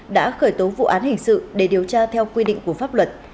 đã khởi tố vụ án hình sự để điều tra theo quy định của pháp luật